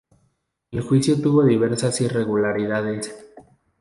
El juicio tuvo diversas irregularidades.